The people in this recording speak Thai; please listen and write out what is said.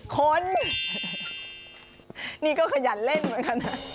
คนนี่ก็ขยันเล่นเหมือนกันนะ